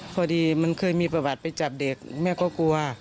พอดีมันเคยมีประวัติไปจับเด็กแม่ก็กลัว